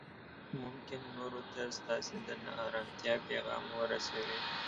ممکن نورو ته ستاسې د نا ارامتیا پیغام ورسوي